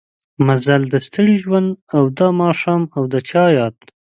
مزل د ستړي ژوند او دا ماښام او د چا ياد